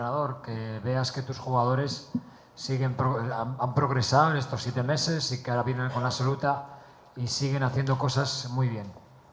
dan sekarang mereka mencari penampilan yang sangat baik